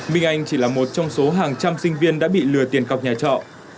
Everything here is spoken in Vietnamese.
minh anh chỉ là một trong số hàng trăm sinh viên đã bị lừa tiền cọc nhà trọ